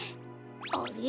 あれ？